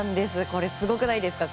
すごくないですか。